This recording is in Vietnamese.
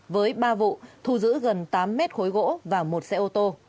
với ba vụ thu giữ gần tám mét khối gỗ và một xe ô tô